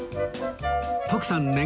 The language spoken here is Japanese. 徳さん